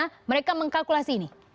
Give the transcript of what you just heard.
karena mereka mengkalkulasi ini